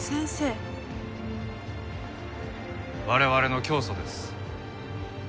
我々の教祖です。